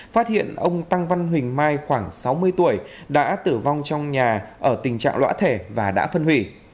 phát hiện ông tăng văn huỳnh mai khoảng sáu mươi tuổi đã tử vong trong nhà ở tình trạng lõa thể và đã phân hủy